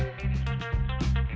nhiệt độ cao nhất